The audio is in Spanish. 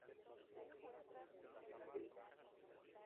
La homocisteína puede ser convertida a cisteína.